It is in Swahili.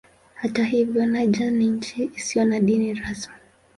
Hata hivyo Niger ni nchi isiyo na dini rasmi.